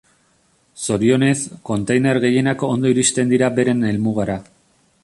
Zorionez kontainer gehienak ondo iristen dira beren helmugara.